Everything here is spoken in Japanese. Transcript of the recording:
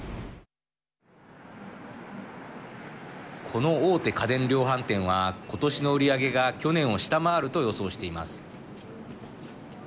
この大手家電量販店は今年の売り上げが、去年を下回ると予想しています。